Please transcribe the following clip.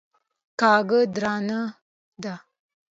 کږه درانه ده.